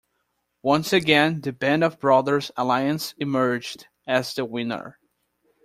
Once again, the Band of Brothers alliance emerged as the winner.